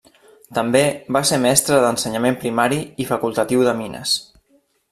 També va ser mestre d'ensenyament primari i facultatiu de mines.